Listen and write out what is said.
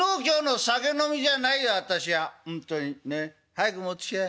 早く持ってきて。